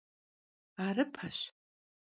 Arıpaş!